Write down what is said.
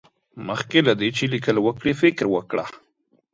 مخکې له دې چې ليکل وکړې، فکر وکړه.